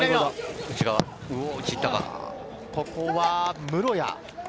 ここは室屋。